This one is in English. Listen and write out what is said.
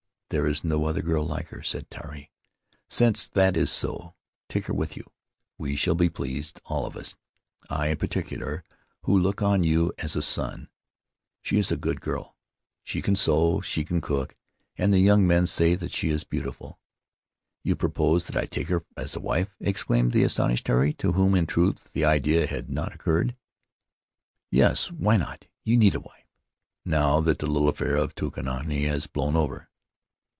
"There is no other girl like her," said Tari. :' Since that is so, take her with you; we shall be pleased, all of us — I in particular, who look on you as a son. She is a good girl; she can sew, she can cook, and the young men say that she is beautiful." 'You propose that I take her as a wife?" exclaimed the astonished Tari, to whom, in truth, the idea had not occurred. "Yes. Why not? You need a wife, now that the little affair of Tukonini has blown over."